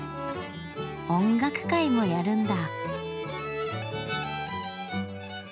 音楽会もやるんだ。